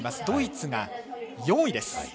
ドイツが４位です。